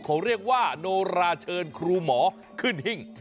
เขาเรียกว่าโนราเชิญครูหมอขึ้นหิ้ง